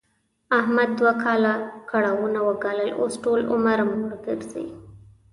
احمد دوه کاله کړاوونه و ګالل، اوس ټول عمر موړ ګرځي.